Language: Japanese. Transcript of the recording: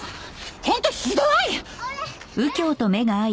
本当ひどい！